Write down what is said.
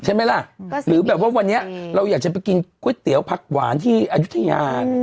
ใช่ไหมล่ะหรือแบบว่าวันนี้เราอยากจะไปกินก๋วยเตี๋ยวผักหวานที่อายุทยา